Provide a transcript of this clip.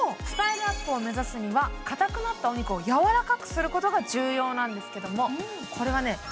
スタイルアップを目指すにはかたくなったお肉をやわらかくすることが重要なんですけどもこれはね